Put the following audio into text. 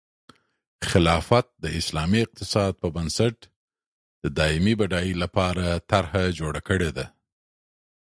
خلافت د اسلامي اقتصاد په بنسټ د دایمي بډایۍ لپاره طرحه جوړه کړې ده.